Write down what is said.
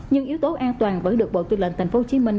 nhưng yếu tố an toàn vẫn được bộ tư lệnh thành phố hồ chí minh